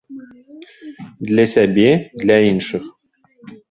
Для сябе, для іншых.